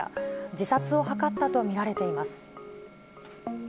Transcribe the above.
自殺を図ったと見られています。